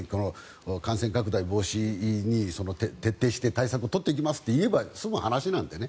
感染拡大防止を徹底して対策していきますと言えば済む話なのでね。